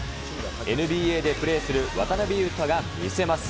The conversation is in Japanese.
ＮＢＡでプレーする渡邊雄太が見せます。